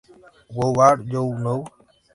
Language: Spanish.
Who Are You Now?